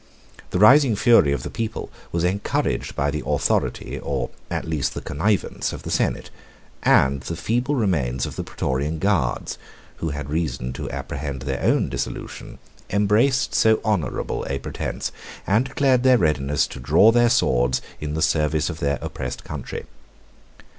The rising fury of the people was encouraged by the authority, or at least the connivance, of the senate; and the feeble remains of the Prætorian guards, who had reason to apprehend their own dissolution, embraced so honorable a pretence, and declared their readiness to draw their swords in the service of their oppressed country.